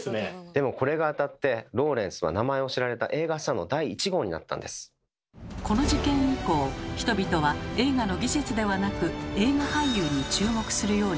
でもこれが当たってローレンスは名前を知られたこの事件以降人々は映画の技術ではなく映画俳優に注目するようになりました。